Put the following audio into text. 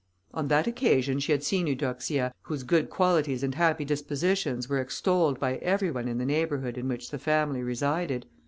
On that occasion she had seen Eudoxia, whose good qualities and happy dispositions were extolled by every one in the neighbourhood in which the family resided.